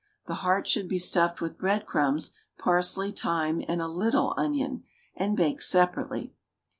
The heart should be stuffed with bread crumbs, parsley, thyme, and a little onion, and baked separately.